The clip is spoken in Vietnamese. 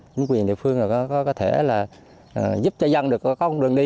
chính quyền địa phương có thể là giúp cho dân được có con đường đi